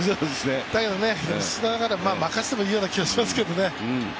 だけど吉田なら任せてもいいような気がしますけどね。